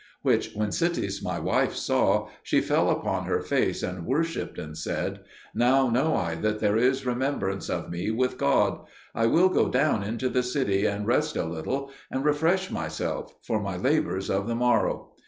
Which when Sitis my wife saw, she fell upon her face and worshipped, and said, "Now know I that there is remembrance of me with God. I will go now into the city and rest a little, and refresh myself for my labours of the morrow."